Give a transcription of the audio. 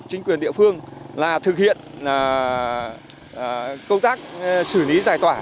chính quyền địa phương là thực hiện công tác xử lý giải tỏa